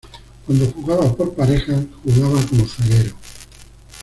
Cuando jugaba por parejas jugaba como zaguero.